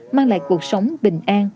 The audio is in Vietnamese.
mang lại cuộc sống bình an